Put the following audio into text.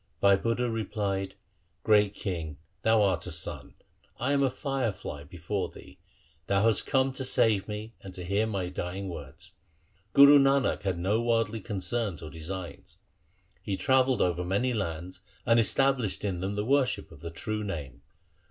Bhai Budha replied, ' Great king, thou art a sun ; I am a fire fly before thee. Thou hast come to save me, and to hear my dying words. Guru Nanak had no worldly concerns or designs. He travelled over many lands, and established in them the worship of the true Name.